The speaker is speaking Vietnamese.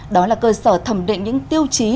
đó là cơ sở thẩm định những tiêu chí